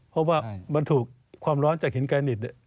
เพราะว่ามันถูกความร้อนจากหินแกนิต